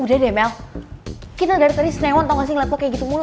udah deh mel kita dari tadi senewan tau gak sih ngeliat kok kayak gitu mulu